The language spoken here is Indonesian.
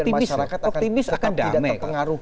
dan masyarakat akan tetap tidak terpengaruh